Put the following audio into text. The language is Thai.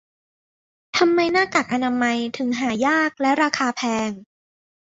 ทำไมหน้ากากอนามัยถึงหายากและราคาแพง